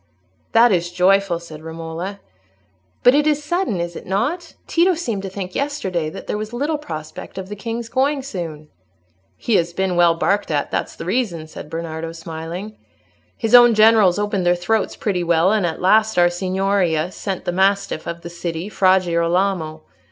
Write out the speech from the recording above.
"That is joyful," said Romola. "But it is sudden, is it not? Tito seemed to think yesterday that there was little prospect of the king's going soon." "He has been well barked at, that's the reason," said Bernardo, smiling. "His own generals opened their throats pretty well, and at last our Signoria sent the mastiff of the city, Fra Girolamo.